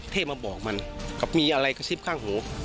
เทพมาบอกมันกับมีอะไรกระซิบข้างหู